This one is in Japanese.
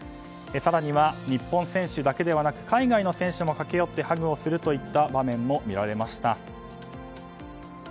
更には日本選手だけではなく海外の選手も駆け寄ってハグをするといった場面も見られました。